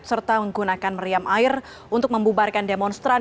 serta menggunakan meriam air untuk membubarkan demonstran